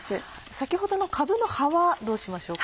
先ほどのかぶの葉はどうしましょうか？